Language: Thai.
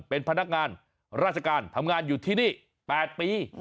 เป็นพนักงานราชการทำงานอยู่ที่นี่๘ปี